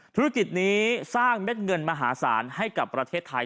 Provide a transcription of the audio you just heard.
ธุรกิจนี้สร้างเม็ดเงินมหาศาลให้กับประเทศไทย